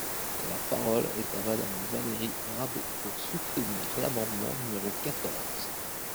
La parole est à Madame Valérie Rabault, pour soutenir l’amendement numéro quatorze.